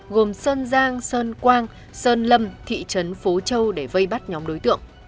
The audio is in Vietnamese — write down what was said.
gồm sơn giang sơn quang sơn lâm thị trấn phố châu để vây bắt nhóm đối tượng